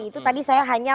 itu tadi saya hanya